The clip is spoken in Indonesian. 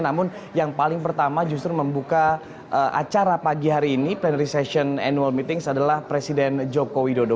namun yang paling pertama justru membuka acara pagi hari ini plenary session annual meetings adalah presiden joko widodo